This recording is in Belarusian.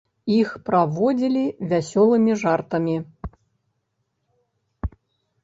Іх праводзілі вясёлымі жартамі.